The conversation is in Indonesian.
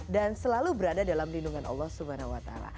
dan selalu berada dalam lindungan allah swt